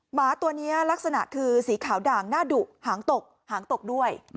หมาตัวนี้ลักษณะคือสีขาวด่างหน้าดุหางตกหางตกด้วย